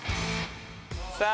さあ